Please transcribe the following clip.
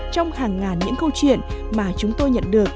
trong hàng ngàn những câu chuyện mà chúng tôi nhận được